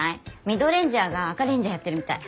ミドレンジャーがアカレンジャーやってるみたい。